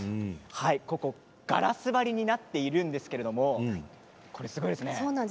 ここはガラス張りになっているんですけれどすごいですね。